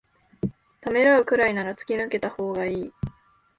ためらうくらいなら突き抜けたほうがいい